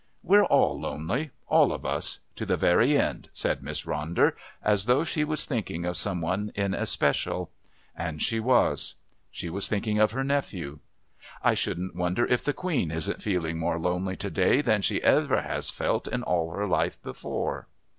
"We're all lonely all of us to the very end," said Miss Ronder, as though she was thinking of some one in especial. And she was. She was thinking of her nephew. "I shouldn't wonder if the Queen isn't feeling more lonely to day than she has ever felt in all her life before."